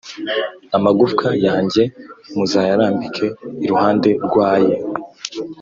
amagufwa yanjye muzayarambike iruhande rw’aye,